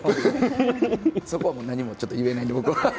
そこは何も言えないんで、僕は。